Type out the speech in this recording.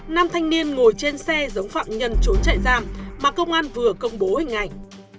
nam thanh niên ngồi trên xe giống phạm nhân trốn chạy giam mà công an vừa công bố hình ảnh